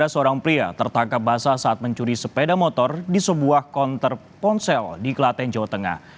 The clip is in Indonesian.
seorang pria tertangkap basah saat mencuri sepeda motor di sebuah konter ponsel di klaten jawa tengah